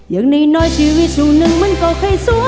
อย่างในน้อยชีวิตศูนย์มันก็เคยสุด